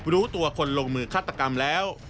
รู้ตัวคนลงมือฆาตกรรมแล้ว